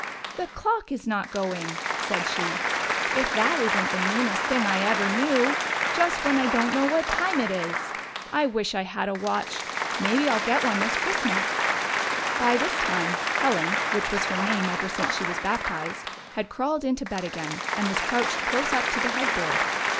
" The clock is not going !" said she. " If that isn't the meanest thing I ever knew! Just when I don't know what time it is ! I wish I 34 HOME OF HELEN AND CHRISTOPHER had a watch. Maybe I 'll get one this Christ mas." By this time Helen — which was her name ever since she was baptized — had crawled into bed again, and was crouched close up to the headboard.